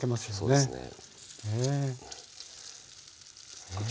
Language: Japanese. そうですね。